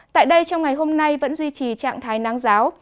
tại đây trong ngày hôm nay vẫn duy trì trạng thái nắng giáo